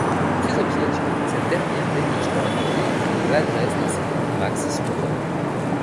Prise au piège, cette dernière déniche dans l'annuaire l'adresse d'un certain Max Sporum.